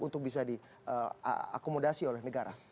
untuk bisa diakomodasi oleh negara